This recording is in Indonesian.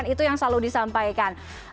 itu yang selalu disampaikan